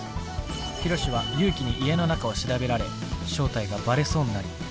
ヒロシは祐樹に家の中を調べられ正体がバレそうになり。